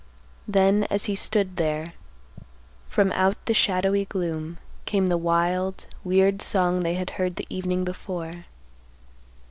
Then as he stood there, from out the shadowy gloom, came the wild, weird song they had heard the evening before.